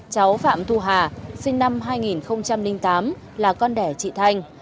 cháu phạm thu hà sinh năm hai nghìn tám là con đẻ chị thanh